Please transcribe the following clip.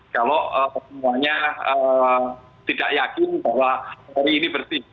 kalau semuanya tidak yakin bahwa polri ini bersih